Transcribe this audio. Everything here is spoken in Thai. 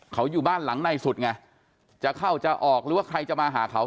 เขาอยู่บ้านหลังในสุดไงจะเข้าจะออกหรือว่าใครจะมาหาเขา